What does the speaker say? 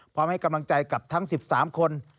พร้อมให้กำลังใจกับทั้ง๑๓คน